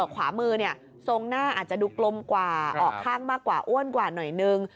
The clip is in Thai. ก็ขวามืออาจจะดูกลมกว่าอ่อข้างมากกว่าอ้วนกว่าหน่อยนึง